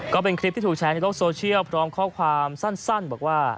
ก็เป็นคลิปที่ถูกแชร์ในโลกโซเชียลพร้อมข้อความสั้นบอกว่า